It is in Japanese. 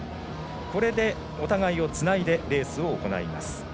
これでお互いをつないでレースを行います。